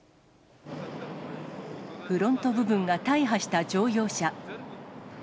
フロント部分が大破した乗用車。